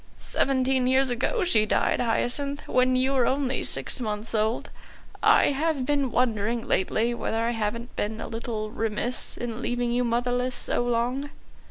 "Seventeen years ago she died, Hyacinth, when you were only six months old. I have been wondering lately whether I haven't been a little remiss in leaving you motherless so long."